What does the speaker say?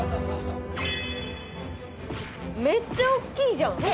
めっちゃ大っきいじゃん。